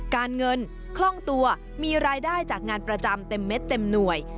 การเงินคล่องตัวมีรายได้จากงานประจำเต็มเม็ดเต็มหน่วย